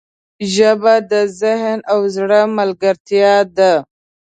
ژبه د ذهن او زړه ملګرتیا ده